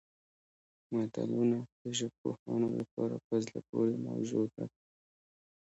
متلونه د ژبپوهانو لپاره په زړه پورې موضوع ده